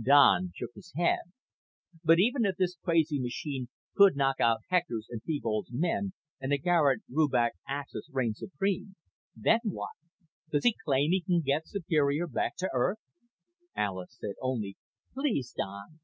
Don shook his head. "But even if this crazy machine could knock out Hector's and Thebold's men and the Garet Rubach Axis reigns supreme, then what? Does he claim he can get Superior back to Earth?" Alis said only, "Please, Don